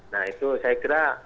nah itu saya kira